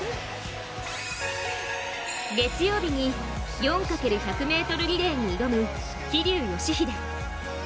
月曜日に４×１００ｍリレーに挑む桐生祥秀。